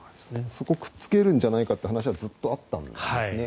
そこをくっつけるんじゃないかという話はずっとあったんですね。